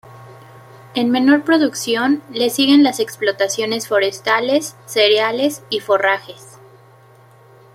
En menor producción, le siguen las explotaciones forestales, cereales y forrajes.